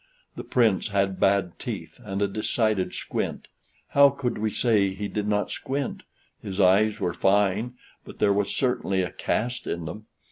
The Prince had bad teeth, and a decided squint. How could we say he did not squint? His eyes were fine, but there was certainly a cast in them.